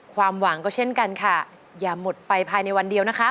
ความหวังก็เช่นกันค่ะอย่าหมดไปภายในวันเดียวนะคะ